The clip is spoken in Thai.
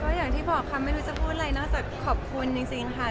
อย่างที่บอกค่ะไม่รู้จะพูดอะไรนอกจากขอบคุณจริงค่ะ